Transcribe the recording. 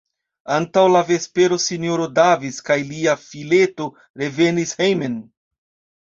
Antaŭ la vespero S-ro Davis kaj lia fileto revenis hejmen.